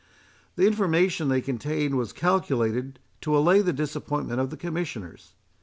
The information they contained was calculated to allay the disappointment of the Commissioners.